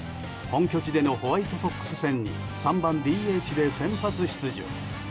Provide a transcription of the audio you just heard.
本拠地でのホワイトソックス戦に３番ＤＨで先発出場。